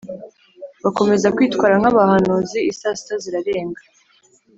Bakomeza kwitwara nk abahanuzi i saa sita zirarenga